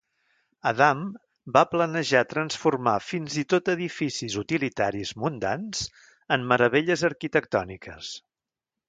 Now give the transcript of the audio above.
Adam va planejar transformar fins i tot edificis utilitaris mundans en meravelles arquitectòniques.